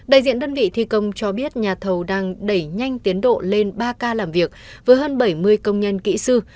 đại diện đơn vị thi công cho biết nhà thầu đang đẩy nhanh tiến độ lên ba ca làm việc với hơn bảy mươi công nhân kỹ sư